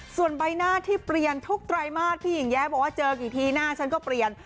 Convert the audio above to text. ส่วนใบหน้าที่เปลี่ยนทุกไตรมาสพี่หญิงแย้บอกว่าเจอกี่ทีหน้าฉันก็เปลี่ยน